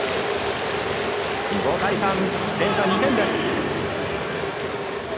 ５対３、点差２点です。